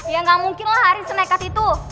ya gak mungkin lah arin semekat itu